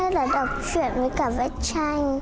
trò chơi là đọc truyện với cả vẽ tranh